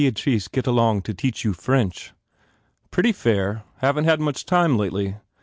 And ow does Beatriz get along to teach you French?" "Pretty fair. Haven t had much time lately.